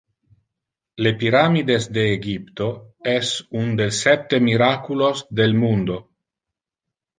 Le pyramides de Egypto es un del septe miraculos del mundo.